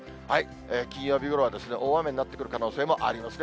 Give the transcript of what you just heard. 金曜日ごろは大雨になってくる可能性もありますね。